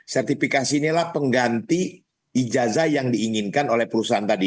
sertifikasi inilah pengganti ijazah yang diinginkan oleh perusahaan tadi